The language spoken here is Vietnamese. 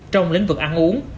trong lĩnh vực ăn uống